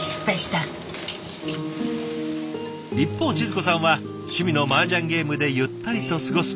一方静子さんは趣味のマージャンゲームでゆったりと過ごす。